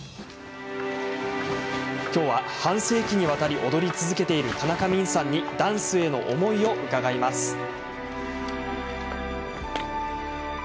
きょうは半世紀にわたり踊り続けている田中泯さんにダンスへの思いを伺います。